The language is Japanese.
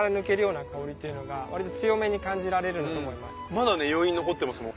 まだ余韻残ってますもん。